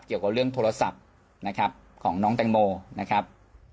เกี่ยวกับเรื่องโทรศัพท์นะครับของน้องแตงโมนะครับ